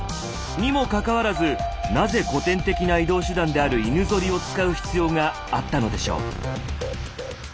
にもかかわらずなぜ古典的な移動手段である犬ゾリを使う必要があったのでしょう？